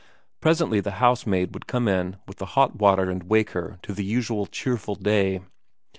Presently the housemaid would come in with the hot water and wake her to the usual cheerful day.